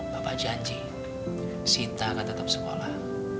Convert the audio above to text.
bapak janji sita akan tetap sekolah